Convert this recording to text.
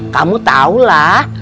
kamu tau lah